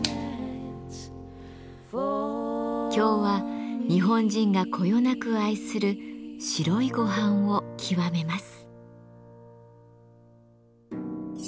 今日は日本人がこよなく愛する白いごはんを極めます。